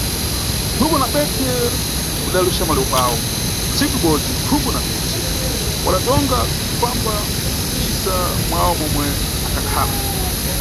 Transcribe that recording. Nkhuku na bethe udali uxamwali bwawo, tsiku ibodzi, Nkhuku na Bethe wadatonga kufamba mucisa mwawo momwe akhakhala.